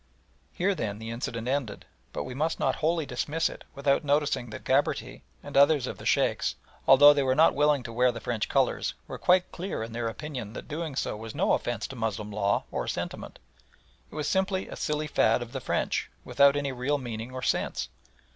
Here, then, the incident ended, but we must not wholly dismiss it without noticing that Gabarty and others of the Sheikhs, although they were not willing to wear the French colours, were quite clear in their opinion that doing so was no offence to Moslem law or sentiment. It was simply a silly fad of the French, without any real meaning or sense.